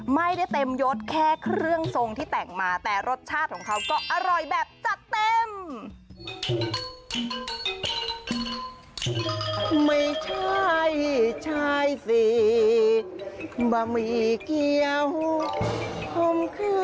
ไม่ได้เต็มยดแค่เครื่องทรงที่แต่งมาแต่รสชาติของเขาก็อร่อยแบบจัดเต็ม